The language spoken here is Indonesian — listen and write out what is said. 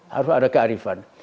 harus ada kearifan